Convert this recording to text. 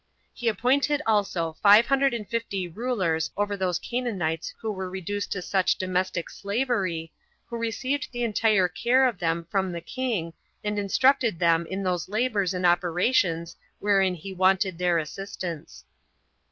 He appointed also five hundred and fifty rulers over those Canaanites who were reduced to such domestic slavery, who received the entire care of them from the king, and instructed them in those labors and operations wherein he wanted their assistance.